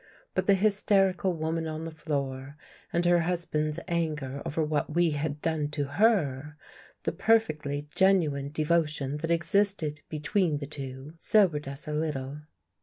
But the hysterical woman on the floor and her husband's anger over what we had done to her, the perfectly genuine devotion that existed between the two, sobered us a little.